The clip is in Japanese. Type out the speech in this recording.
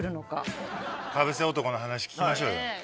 かぶせ男の話聞きましょうよ。